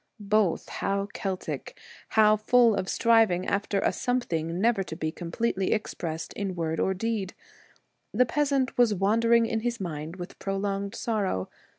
Both how Celtic ! how full of striving after a something never to be completely expressed in word or deed. The peasant was wandering in his mind with prolonged sorrow.